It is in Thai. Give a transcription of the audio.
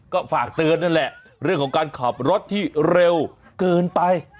ก็ฝากเตือนนั่นแหละเรื่องของการขับรถที่เร็วเกินไป